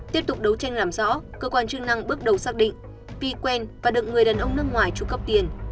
tiếp tục đấu tranh làm rõ cơ quan chức năng bước đầu xác định vi quen và được người đàn ông nước ngoài trụ cấp tiền